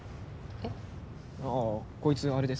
えっ？